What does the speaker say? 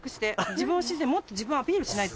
自分を信じてもっと自分をアピールしないと。